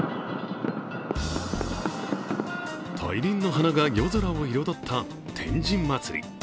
大輪の花が夜空を彩った天神祭。